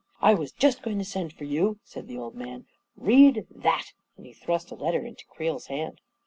" I was just going to send for you," said the old man. "Read that!" and he thrust a letter into Creel's hand.